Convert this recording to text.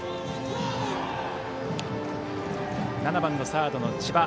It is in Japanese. ７番サード、千葉。